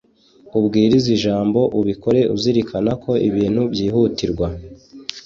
ubwirize ijambo ubikore uzirikana ko ibintu byihutirwa